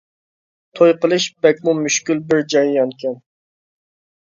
توي قىلىش بەكمۇ مۈشكۈل بىر جەريانكەن.